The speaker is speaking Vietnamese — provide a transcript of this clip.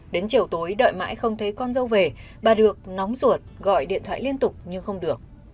đến chiều tối đợi mãi không thấy con dâu về bà được nóng ruột gọi điện thoại liên tục nhưng không được